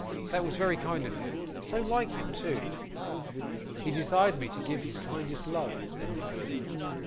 That was very kind of him; so like him too! 'He desired me to give his kindest love,' said Nicholas.